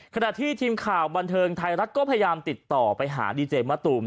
ขณะที่ทีมข่าวบันเทิงไทยรัฐก็พยายามติดต่อไปหาดีเจมะตูม